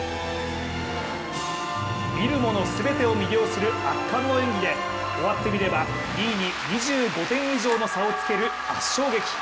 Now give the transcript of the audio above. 見るもの全てを魅了する圧巻の演技で終わってみれば、２位に２５点以上の差をつける、圧勝劇。